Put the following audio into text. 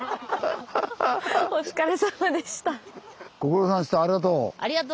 お疲れさまでした。